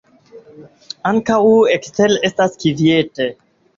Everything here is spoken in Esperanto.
Ankaŭ ekstere estas kviete.